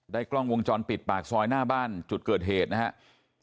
กล้องวงจรปิดปากซอยหน้าบ้านจุดเกิดเหตุนะครับ